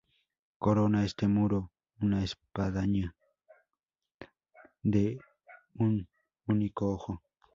Corona este muro una espadaña de un único ojo.